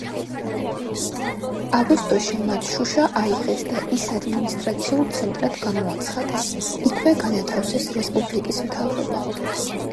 აგვისტოში მათ შუშა აიღეს და ის ადმინისტრაციულ ცენტრად გამოაცხადეს, იქვე განათავსეს რესპუბლიკის მთავრობა.